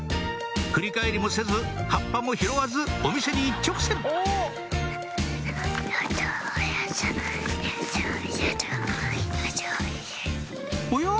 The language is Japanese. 振り返りもせず葉っぱも拾わずお店に一直線おや？